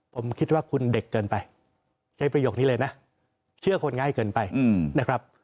ผมคิดว่าคุณเด็กเกินไปใช้ประโยคนี้เลยนะเชื่อคนง่ายเกินไปนะครับ